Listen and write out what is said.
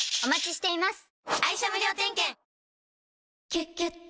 「キュキュット」